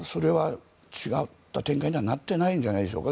違った展開にはなってないんじゃないでしょうか。